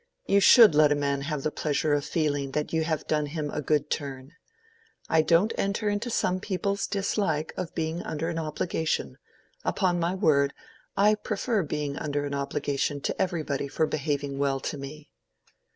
You should let a man have the pleasure of feeling that you have done him a good turn. I don't enter into some people's dislike of being under an obligation: upon my word, I prefer being under an obligation to everybody for behaving well to me."